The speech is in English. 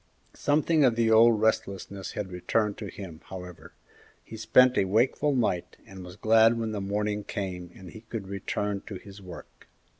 Something of the old restlessness had returned to him, however. He spent a wakeful night, and was glad when morning came and he could return to his work.